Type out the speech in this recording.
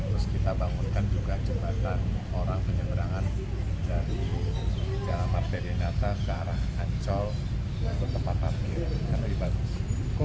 terus kita bangunkan juga jembatan orang penyeberangan dari jalang marte denata ke arah ancol ke tempat tempat kiri karena lebih bagus